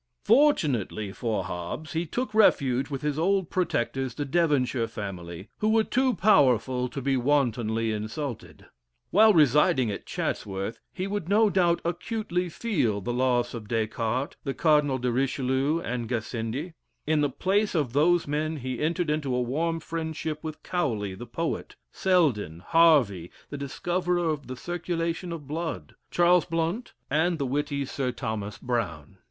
Fortunately for Hobbes, he took refuge with his old protectors, the Devonshire family, who were too powerful to be wantonly insulted. While residing at Chatsworth, he would no doubt acutely feel the loss of Descartes, the Cardinal de Richelieu, and Gassendi; in the place of those men he entered into a warm friendship with Cowley, the poet, Selden, Harvey, the discoverer of the circulation of the blood, Charles Blount, and the witty Sir Thomas Brown.